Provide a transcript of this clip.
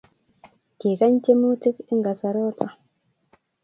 Kikany temutik eng kasaroto